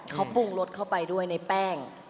เขาปรุงรสเข้าไปด้วยในแป้ง